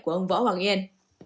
của ông võ hoàng yên